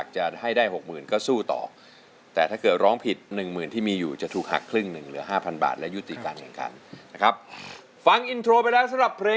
จะสู้หรือจะหยุดครับ